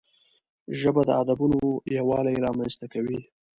ژبه د ادبونو یووالی رامنځته کوي